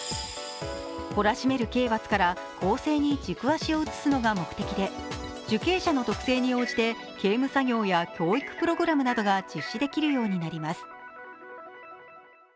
懲らしめる刑罰から更生に軸足を移すのが目的で受刑者の特性に応じて刑務作業を教育プログラムが実施できるようになります。